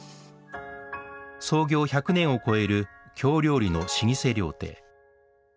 創業１００年を超える京料理の老舗料亭。